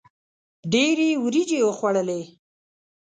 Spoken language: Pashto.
ډېري وریجي یې وخوړلې.